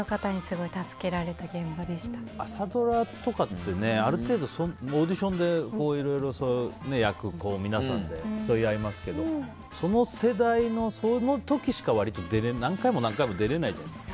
朝ドラとかってある程度オーディションでいろいろ、役を皆さんで競い合いますけどその世代のその時しか出れなくて何回も出れないじゃないですか。